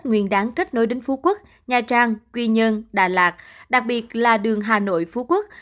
nguyên đáng kết nối đến phú quốc nha trang quy nhơn đà lạt đặc biệt là đường hà nội phú quốc